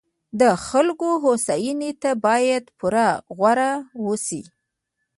د خلکو هوساینې ته باید پوره غور وشي.